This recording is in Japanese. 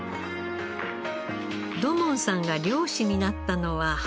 土門さんが漁師になったのは２０歳の時。